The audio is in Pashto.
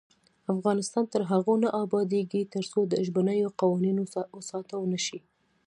افغانستان تر هغو نه ابادیږي، ترڅو د ژبنیو قوانینو ساتنه ونشي.